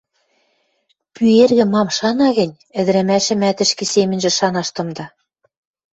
Пӱэргӹ мам шана гӹнь, ӹдӹрӓмӓшӹмӓт ӹшке семӹньжӹ шанаш тымда.